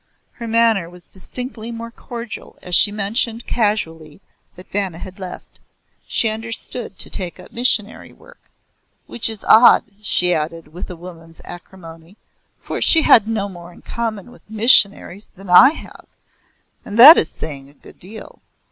Her manner was distinctly more cordial as she mentioned casually that Vanna had left she understood to take up missionary work "which is odd," she added with a woman's acrimony, "for she had no more in common with missionaries than I have, and that is saying a good deal.